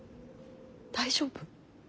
大丈夫？